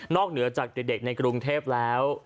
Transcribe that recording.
เหนือจากเด็กในกรุงเทพแล้ว